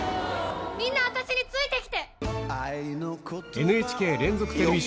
みんな私について来て！